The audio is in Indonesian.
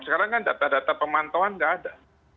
sekarang kan data data pemantauan nggak ada